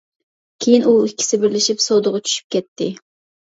كېيىن ئۇ ئىككىسى بىرلىشىپ سودىغا چۈشۈپ كەتتى.